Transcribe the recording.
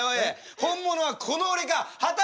本物はこの俺か果たして。